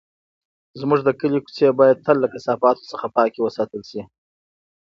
زموږ د کلي کوڅې باید تل له کثافاتو څخه پاکې وساتل شي.